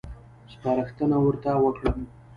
سپارښتنه ورته وکړم.